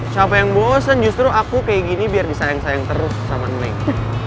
siapa yang bosen justru aku kayak gini biar disayang sayang terus sama neng